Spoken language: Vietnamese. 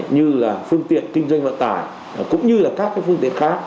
như là phương tiện kinh doanh vận tải cũng như là các phương tiện khác